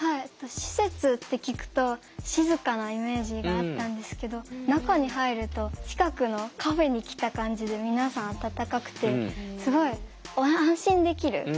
施設って聞くと静かなイメージがあったんですけど中に入ると近くのカフェに来た感じで皆さん温かくてすごい安心できる感じがしました。